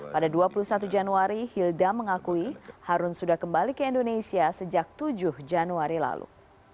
pada dua puluh satu januari hilda mengakui harun sudah kembali ke indonesia sejak tujuh januari lalu